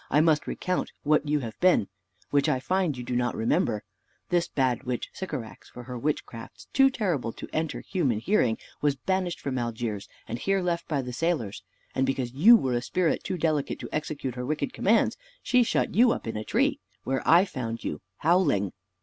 "I must recount what you have been, which I find you do not remember. This bad witch, Sycorax, for her witchcrafts, too terrible to enter human hearing, was banished from Algiers, and here left by the sailors; and because you were a spirit too delicate to execute her wicked commands, she shut you up in a tree, where I found you howling.